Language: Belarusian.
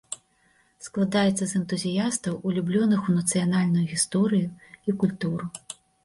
Складаецца з энтузіястаў, улюблёных у нацыянальную гісторыю і культуру.